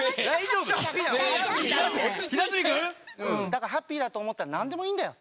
だからハッピーだとおもったらなんでもいいんだよ。